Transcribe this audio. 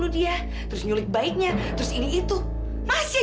dika dika lepasin